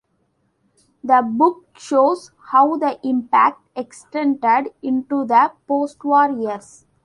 The book shows how the impact extended into the postwar years.